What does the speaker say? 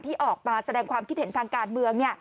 ที่ออกมาแสดงความคิดเห็นทางการเมือง